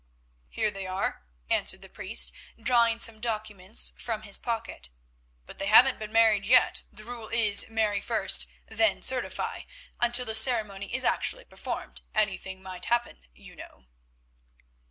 "Here they are," answered the priest, drawing some documents from his pocket. "But they haven't been married yet; the rule is, marry first, then certify. Until the ceremony is actually performed, anything might happen, you know."